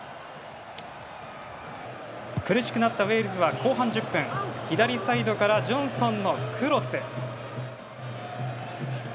苦しくなったウェールズは後半１０分左サイドからジョンソンのクロス。